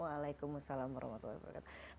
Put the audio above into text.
waalaikumussalam warahmatullahi wabarakatuh